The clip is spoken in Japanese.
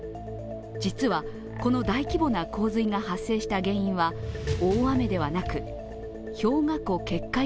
実は、この大規模な洪水が発生した原因は大雨ではなく、氷河湖決壊